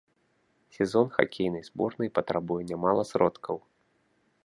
Сезон хакейнай зборнай патрабуе нямала сродкаў.